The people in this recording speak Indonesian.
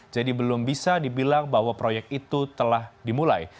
jadi belum bisa dibilang bahwa proyek itu telah dimulai